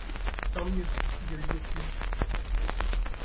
Tant mieux ! dit le lieutenant